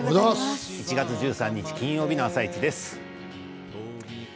１月１３日金曜日の「あさイチ」です。